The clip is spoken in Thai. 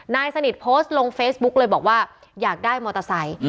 นายสนิทโพสต์ลงเฟซบุ๊กเลยบอกว่าอยากได้มอเตอร์ไซค์